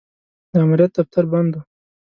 د امریت دفتر بند و.